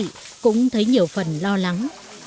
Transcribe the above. trong gia đình các chị cũng thấy nhiều phần lo lắng